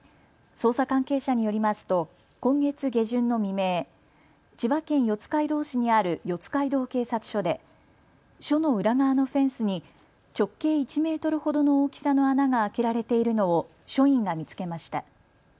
捜査関係者によりますと今月下旬の未明、千葉県四街道市にある四街道警察署で署の裏側のフェンスに直径１メートルほどの大きさの穴が開けられているのを署員が見つけました。